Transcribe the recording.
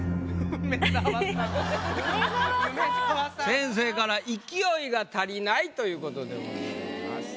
先生から「勢いが足りない！」ということでございます。